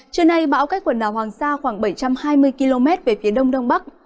trưa nay bão cách quần đảo hoàng sa khoảng bảy trăm hai mươi km về phía đông đông bắc